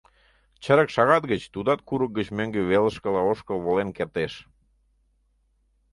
Чырык шагат гыч тудат курык гыч мӧҥгӧ велышкыла ошкыл волен кертеш.